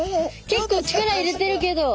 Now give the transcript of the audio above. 結構力入れてるけど。